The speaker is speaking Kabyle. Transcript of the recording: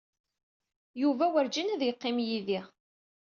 Yuba werǧin ad yeqqim yid-i.